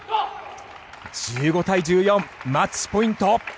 １５対１４、マッチポイント。